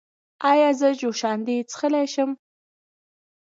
ایا زه جوشاندې څښلی شم؟